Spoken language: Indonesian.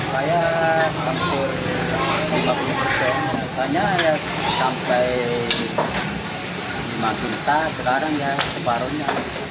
banyak ya sampai lima juta sekarang ya separuhnya